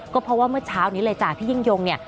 ก็เพราะว่าเมื่อเช้านี้เลยจ้ะพี่ยิ่งยงเนี่ย